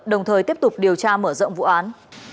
đồng thời tiếp tục điều tra mở rộng vụ án